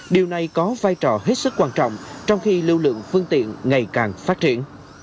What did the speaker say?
điều này có vai trò hết sức quan trọng trong khi lưu lượng phương tiện ngày càng phát triển